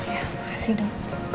ya kasih dulu